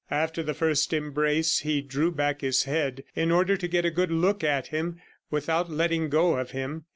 ... After the first embrace, he drew back his head in order to get a good look at him without letting go of him.